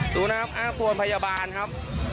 ดูนะครับอ้างปวนพยาบาลครับ